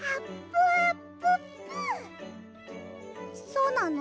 そうなの？